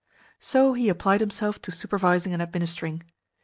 So he applied himself to supervising and administering.